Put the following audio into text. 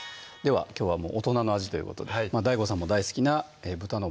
きょうは大人の味ということでＤＡＩＧＯさんも大好きな豚のバラ肉